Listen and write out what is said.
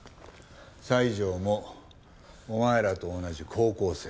西条もお前らと同じ高校生。